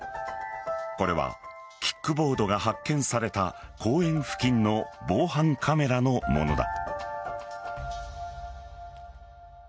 これはキックボードが発見された公園付近の防犯カメラのものだ。